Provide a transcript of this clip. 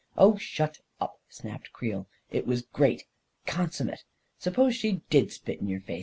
" Oh, shut up !" snapped Creel. " It was great — consummate ! Suppose she did spit in your face?